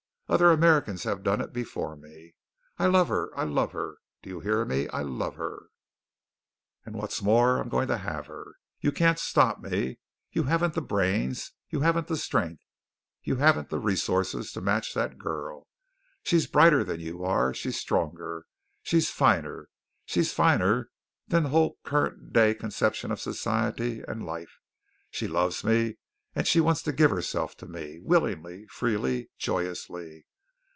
Other Americans have done it before me. I love her! I love her! Do you hear me? I love her, and what's more, I'm going to have her! You can't stop me. You haven't the brains; you haven't the strength; you haven't the resources to match that girl. She's brighter than you are. She's stronger, she's finer. She's finer than the whole current day conception of society and life. She loves me and she wants to give herself to me, willingly, freely, joyously.